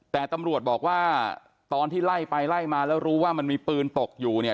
แต่ตำรวจบอกว่าตอนที่ไล่ไปไล่มาแล้วรู้ว่ามันมีปืนตกอยู่เนี่ย